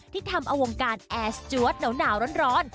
ที่ทำอวงการแอสจว๊อดเหนาร้อน